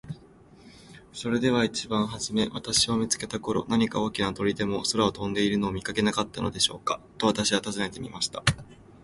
「それでは一番はじめ私を見つけた頃、何か大きな鳥でも空を飛んでいるのを見かけなかったでしょうか。」と私は尋ねてみました。